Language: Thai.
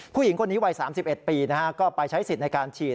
ผู้หญิงคนนี้วัย๓๑ปีก็ไปใช้สิทธิ์ในการฉีด